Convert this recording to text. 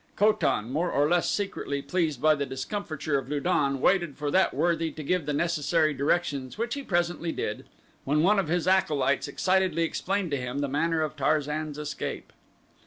Ko tan, more or less secretly pleased by the discomfiture of Lu don, waited for that worthy to give the necessary directions which he presently did when one of his acolytes excitedly explained to him the manner of Tarzan's escape.